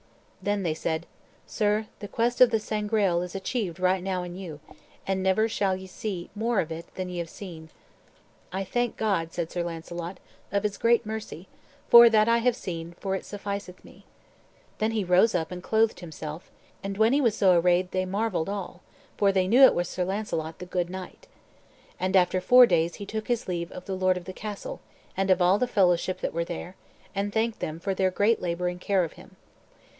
Then they said, "Sir, the quest of the Sangreal is achieved right now in you, and never shall ye see more of it than ye have seen." "I thank God," said Sir Launcelot, "of his great mercy, for that I have seen, for it sufficeth me." Then he rose up and clothed himself; and when he was so arrayed they marvelled all, for they knew it was Sir Launcelot the good knight. And after four days he took his leave of the lord of the castle, and of all the fellowship that were there, and thanked them for their great labor and care of him.